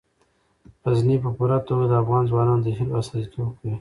غزني په پوره توګه د افغان ځوانانو د هیلو استازیتوب کوي.